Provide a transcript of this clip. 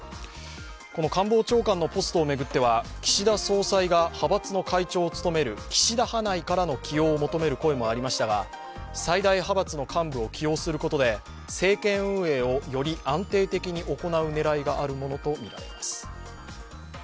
この官房長官のポストを巡っては岸田総裁が派閥の会長を務める岸田派内からの起用を求める声もありましたが最大派閥の患部を起用することで政権運営をより安定的に行う狙いがあるものとみられます。